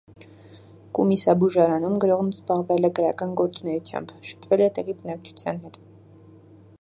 Կումիսաբուժարանում գրողն զբաղվել է գրական գործունեությամբ, շփվել է տեղի բնակչության հետ։